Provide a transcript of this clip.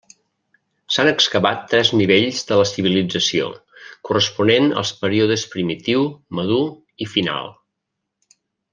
S'han excavat tres nivells de la civilització, corresponent als períodes primitiu, madur i final.